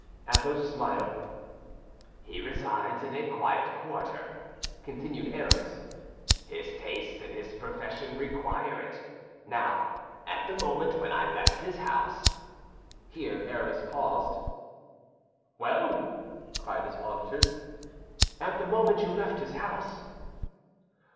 Athos smiled. "He resides in a quiet quarter," continued Aramis; "his tastes and his profession require it. Now, at the moment when I left his house—" Here Aramis paused. "Well," cried his auditors; "at the moment you left his house?"